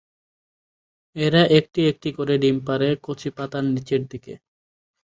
এরা একটি একটি করে ডিম পাড়ে কচি পাতার নিচের দিকে।